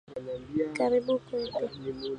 Karibu Kwetu